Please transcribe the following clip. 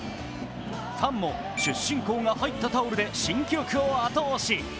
ファンも、出身校が入ったタオルで新記録を後押し。